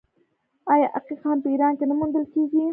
آیا عقیق هم په ایران کې نه موندل کیږي؟